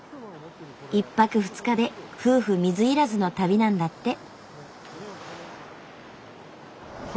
１泊２日で夫婦水入らずの旅なんだって。